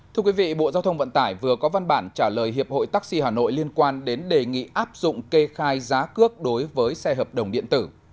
thưa quý vị bộ giao thông vận tải vừa có văn bản trả lời hiệp hội taxi hà nội liên quan đến đề nghị áp dụng kê khai giá cước đối với xe hợp đồng điện tử